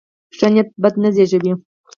ښه نیت بد نه زېږوي.